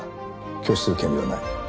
拒否する権利はない。